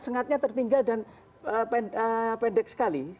sengatnya tertinggal dan pendek sekali